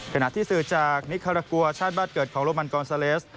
ขณะที่สื่อจากนิคารากัวชาติบ้านเกิดของโรมันกอนซาเลส